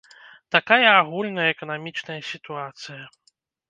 Такая агульная эканамічная сітуацыя.